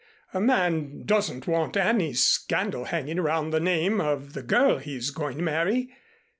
A man doesn't want any scandal hanging around the name of the girl he's going to marry.